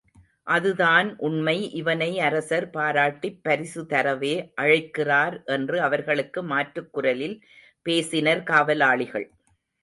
அதுதான் உண்மை இவனை அரசர் பாராட்டிப் பரிசுதரவே அழைக்கிறார் என்று அவர்களுக்கு மாற்றுக் குரலில் பேசினர் காவலாளிகள்.